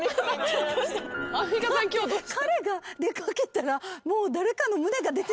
彼が出掛けたらもう誰かの胸が出てる。